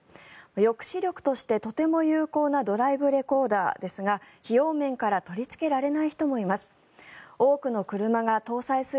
抑止力としてとても有効なドライブレコーダーですが費用面から取りつけられない人もいます。